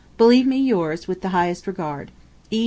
Believe me yours with the highest regard. E.